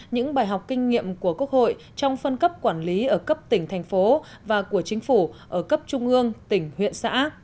những bài học kinh nghiệm của quốc hội trong phân cấp quản lý ở cấp tỉnh thành phố và của chính phủ ở cấp trung ương tỉnh huyện xã